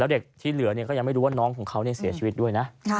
เด็กที่เหลือก็ยังไม่รู้ว่าน้องของเขาเสียชีวิตด้วยนะ